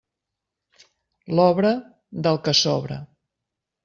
L'obra, del que sobra.